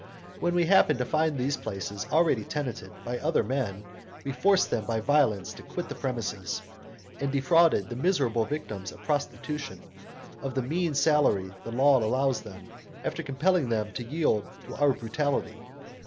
When we happened to find those places already tenanted by other men, we forced them by violence to quit the premises, and defrauded the miserable victims of prostitution of the mean salary the law allows them, after compelling them to yield to our brutality.